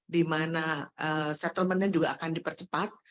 di mana settlement nya juga akan dipercepat